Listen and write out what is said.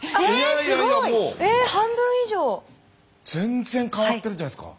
全然変わってるじゃないですか。